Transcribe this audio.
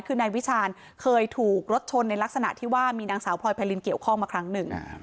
คือนายวิชาญเคยถูกรถชนในลักษณะที่ว่ามีนางสาวพลอยไพรินเกี่ยวข้องมาครั้งหนึ่ง